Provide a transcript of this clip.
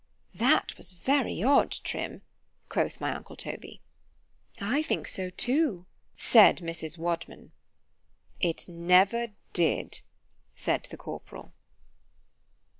That was very odd, Trim, quoth my uncle Toby. I think so too—said Mrs. Wadman. It never did, said the corporal.